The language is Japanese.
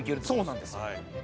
そうなんです。